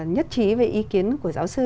nhất trí về ý kiến của giáo sư